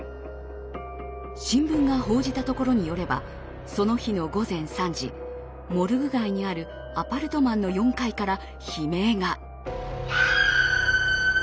新聞が報じたところによればその日の午前３時モルグ街にあるアパルトマンの４階から悲鳴が。